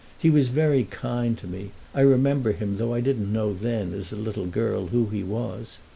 He was very kind to me; I remember him, though I didn't know then, as a little girl, who he was.